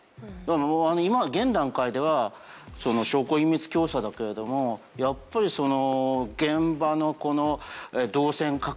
今現段階では証拠隠滅教唆だけれどもやっぱり現場の動線確保。